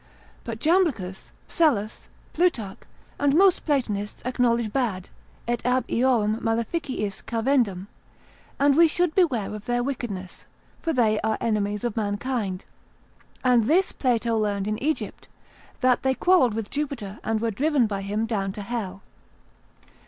But Jamblichus, Psellus, Plutarch, and most Platonists acknowledge bad, et ab eorum maleficiis cavendum, and we should beware of their wickedness, for they are enemies of mankind, and this Plato learned in Egypt, that they quarrelled with Jupiter, and were driven by him down to hell.